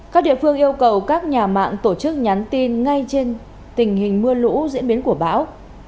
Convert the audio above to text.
các địa phương yêu cầu các nhà mạng tổ chức nhắn tin ngay trên tình hình mưa lũ diễn biến của bão